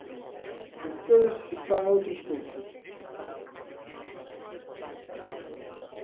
Vostedes están a outras cousas.